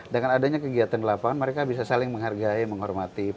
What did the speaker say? dengan adanya kegiatan di lapangan mereka bisa saling menghargai menghormati